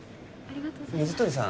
水鳥さん